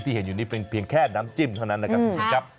ที่เห็นอยู่นี่เป็นเพียงแค่น้ำจิ้มเท่านั้นนะครับ